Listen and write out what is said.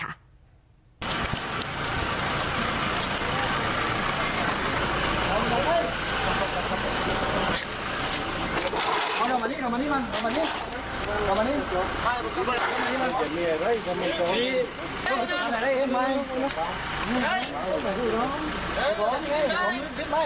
เอามานี่เอามานี่มันเอามานี่เอามานี่มัน